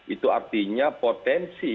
itu artinya potensi